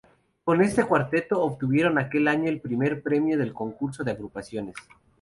Con este cuarteto obtuvieron aquel año el primer premio del Concurso de Agrupaciones.